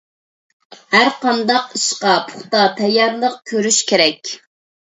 ھەرقانداق ئىشقا پۇختا تەييارلىق كۆرۈش كېرەك.